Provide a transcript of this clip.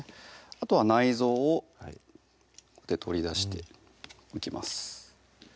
あとは内臓をここで取り出しておきます